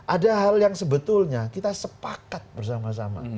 ada hal yang sebetulnya kita sepakat bersama sama